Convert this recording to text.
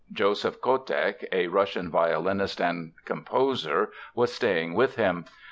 Joseph Kotek, a Russian violinist and composer, was staying with him.